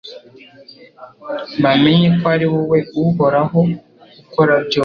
bamenye ko ari wowe Uhoraho ukora byose